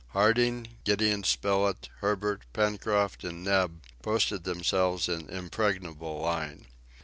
Harding, Gideon Spilett, Herbert, Pencroft and Neb posted themselves in impregnable line.